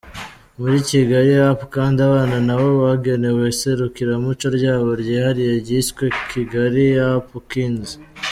Muri KigaliUp! kandi abana nabo bagenewe iserukiramuco ryabo ryihariye ryiswe Kigaliapu! Kinzi.